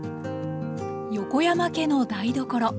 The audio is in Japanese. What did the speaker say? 横山家の台所。